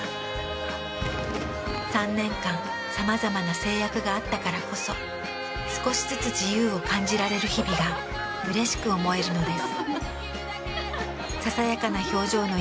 ３年間さまざまな制約があったからこそ少しずつ自由を感じられる日々がうれしく思えるのです。